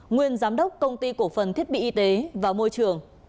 nguyên giám đốc công ty cổ phần thiết bị y tế và môi trường